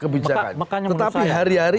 maka menurut saya